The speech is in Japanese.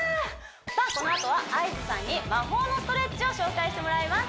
さあこのあとはＩＧさんに魔法のストレッチを紹介してもらいます